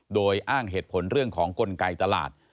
โดยอ้างเหตุผลเรื่องของกลไกตลาด